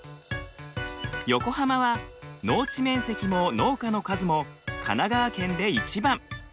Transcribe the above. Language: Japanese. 横浜は農地面積も農家の数も神奈川県で一番。